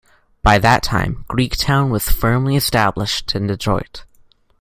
By that time, Greektown was firmly established in Detroit.